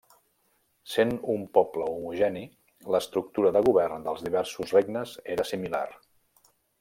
Sent un poble homogeni l'estructura de govern dels diversos regnes era similar.